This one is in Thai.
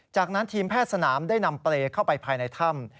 จากนั้นทีมแพทย์สนามได้นำเปรย์เข้าไปภายในถ้ำ